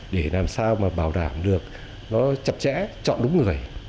để làm sao mà bảo đảm được nó chặt chẽ chọn đúng người